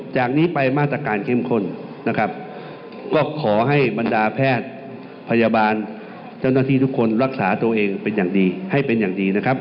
จากนี้ไปมาตรการเข้มข้นนะครับก็ขอให้บรรดาแพทย์พยาบาลเจ้าหน้าที่ทุกคนรักษาตัวเองเป็นอย่างดีให้เป็นอย่างดีนะครับ